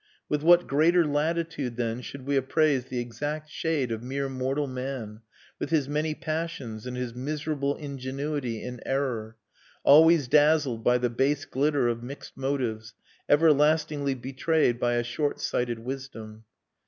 With what greater latitude, then, should we appraise the exact shade of mere mortal man, with his many passions and his miserable ingenuity in error, always dazzled by the base glitter of mixed motives, everlastingly betrayed by a short sighted wisdom.